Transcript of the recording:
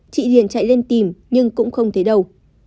chị hiền chạy lên tìm nhưng cũng không thấy đâu